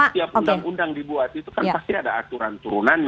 setiap undang undang dibuat itu kan pasti ada aturan turunannya